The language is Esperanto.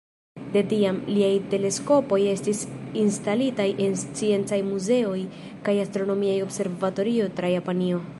De tiam, liaj teleskopoj estis instalitaj en sciencaj muzeoj kaj astronomiaj observatorioj tra Japanio.